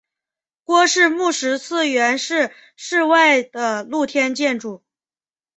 郭氏墓石祠原是室外的露天建筑。